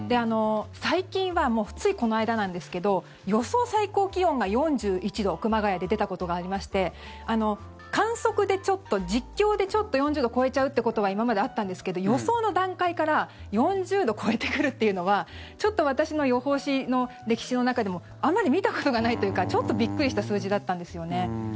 最近はもうついこの間なんですけど予想最高気温が４１度熊谷で出たことがありまして観測でちょっと実況でちょっと４０度超えちゃうということは今まであったんですけど予想の段階から４０度超えてくるというのは私の予報士の歴史の中でもあんまり見たことがないというかちょっとびっくりした数字だったんですよね。